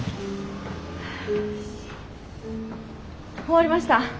終わりました。